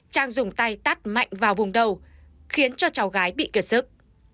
trang dùng tay tắt mạnh vào vùng đầu khiến cho cháu gái bị kiệt sức